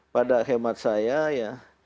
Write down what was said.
pada khidmat saya ya